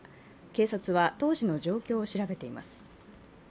警察は当時の状況を調べています。